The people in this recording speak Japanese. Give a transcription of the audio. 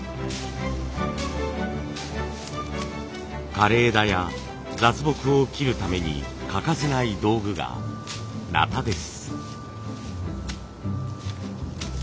枯れ枝や雑木を切るために欠かせない道具が鉈です。